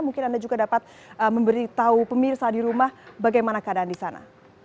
mungkin anda juga dapat memberitahu pemirsa di rumah bagaimana keadaan di sana